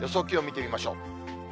気温、見てみましょう。